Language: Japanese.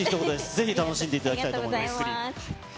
ぜひ楽しんでいただきたいと思いありがとうございます。